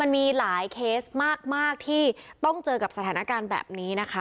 มีหลายเคสมากที่ต้องเจอกับสถานการณ์แบบนี้นะคะ